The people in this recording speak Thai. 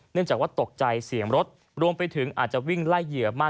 จากว่าตกใจเสียงรถรวมไปถึงอาจจะวิ่งไล่เหยื่อมาก